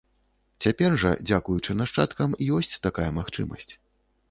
Цяпер жа, дзякуючы нашчадкам, ёсць такая магчымасць.